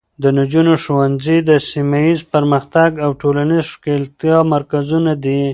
د نجونو ښوونځي د سیمه ایزې پرمختګ او ټولنیزې ښکیلتیا مرکزونه دي.